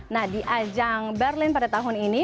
nah di ajang berlin pada tahun ini